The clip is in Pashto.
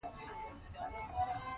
انګرېزانو د مالټا ټاپو ته پوځونه لېږلي.